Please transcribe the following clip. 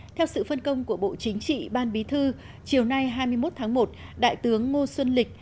theo sự phân công của bộ chính trị ban bí thư chiều nay hai mươi một tháng một đại tướng ngô xuân lịch